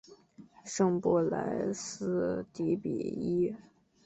圣布莱斯迪比伊。